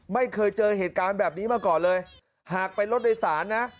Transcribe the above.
ไม่เคยเจอเหตุการณ์แบบนี้มาก่อนเลยหากเป็นรถโดยสารนะ